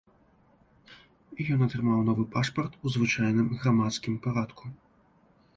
І ён атрымаў новы пашпарт у звычайным грамадскім парадку.